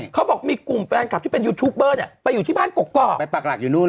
เขาบอกมีกลุ่มแฟนคลับที่เป็นยูทูปเปอร์เนี่ยไปอยู่ที่บ้านกรอกกรอก